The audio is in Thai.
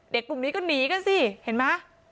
กลุ่มนี้ก็หนีกันสิเห็นไหม